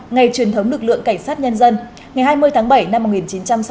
ngày truyền thống lực lượng cảnh sát nhân dân